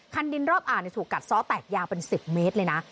คันดินรอบอ่างถูกกัดซ้อแตกยาวเป็น๑๐เมตรเลยนะ